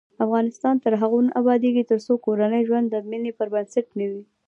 افغانستان تر هغو نه ابادیږي، ترڅو کورنی ژوند د مینې پر بنسټ نه وي.